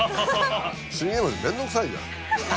信玄餅面倒くさいじゃん。